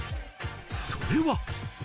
それは。